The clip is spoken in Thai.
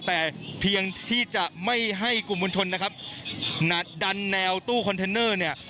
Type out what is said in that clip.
แต่เพียงที่จะไม่ให้กลุ่มมวลชนนะครับหนัดดันแนวตู้คอนเทนเนอร์เนี่ย